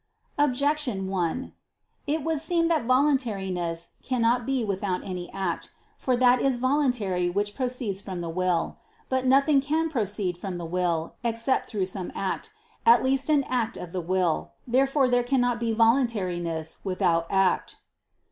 Objection 1: It would seem that voluntariness cannot be without any act. For that is voluntary which proceeds from the will. But nothing can proceed from the will, except through some act, at least an act of the will. Therefore there cannot be voluntariness without act.